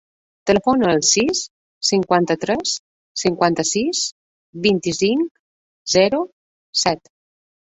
Telefona al sis, cinquanta-tres, cinquanta-sis, vint-i-cinc, zero, set.